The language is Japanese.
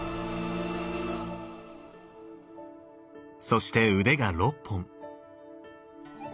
そして腕が６本。